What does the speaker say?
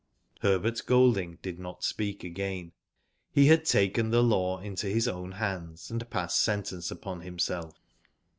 Herbert Golding did not speak again. He had taken the law into his own hands and passed sentence upon himself.